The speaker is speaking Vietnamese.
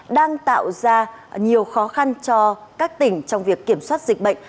đang tạo ra nhiều khó khăn cho các tỉnh trong việc kiểm soát dịch bệnh